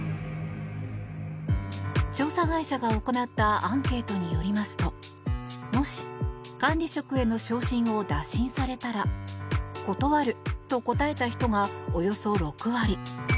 調査会社が行ったアンケートによりますともし管理職への昇進を打診されたら断ると答えた人がおよそ６割。